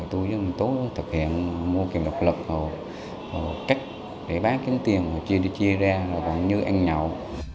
tôi với ông tố thực hiện mua kiệm độc lực cách để bán kiếm tiền chia ra còn dưới ăn nhậu